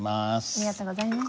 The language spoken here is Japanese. ありがとうございます。